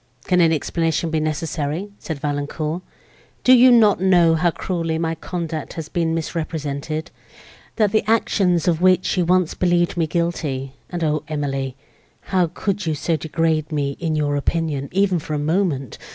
"Can any explanation be necessary?" said Valancourt, "do you not know how cruelly my conduct has been misrepresented? that the actions of which you once believed me guilty (and, O Emily! how could you so degrade me in your opinion, even for a moment!)